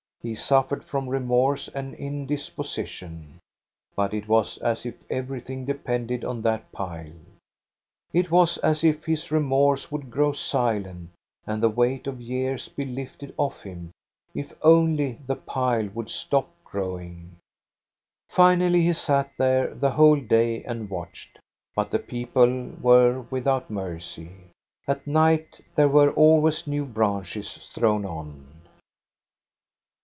He suffered from remorse and indisposition. But it was as if everything depended on that pile. It was as if his remorse would grow silent, and the weight of years be lifted off him, if only the pile would stop growing. Finally he sat there the whole day and watched ; but the people were without mercy. At night there were always new branches thrown on.